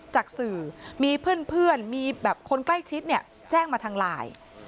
จากสื่อมีเพื่อนมีแบบคนใกล้ชิดเนี่ยแจ้งมาทางไลน์